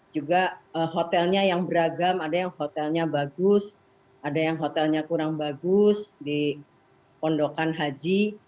juga hotelnya yang beragam ada yang hotelnya bagus ada yang hotelnya kurang bagus di pondokan haji